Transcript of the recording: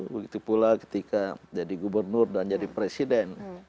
begitu pula ketika jadi gubernur dan jadi presiden